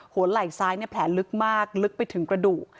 ไหล่ซ้ายแผลลึกมากลึกไปถึงกระดูก